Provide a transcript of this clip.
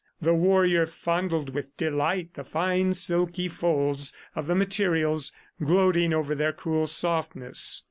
The warrior fondled with delight the fine silky folds of the materials, gloating over their cool softness.